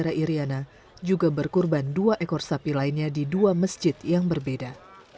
riana juga berkurban dua ekor sapi lainnya di dua masjid yang berbeda